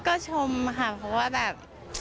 ก็ชมค่ะเพราะว่าแบบ